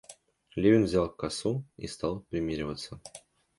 Левин Взял косу и стал примериваться.